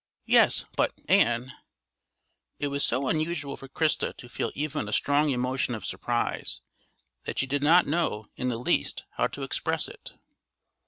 "Yes; but, Ann " It was so unusual for Christa to feel even a strong emotion of surprise that she did not know in the least how to express it.